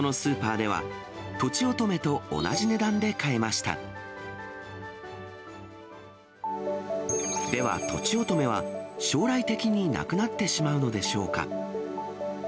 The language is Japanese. では、とちおとめは将来的になくなってしまうのでしょうか。